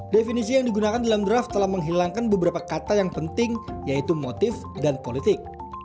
definisi yang digunakan dalam draft telah menghilangkan beberapa kata yang penting yaitu motif dan politik